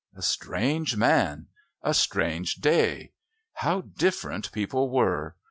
A strange man! A strange day! How different people were!